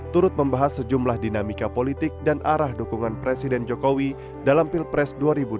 turut membahas sejumlah dinamika politik dan arah dukungan presiden jokowi dalam pilpres dua ribu dua puluh